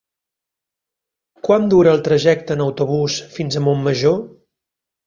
Quant dura el trajecte en autobús fins a Montmajor?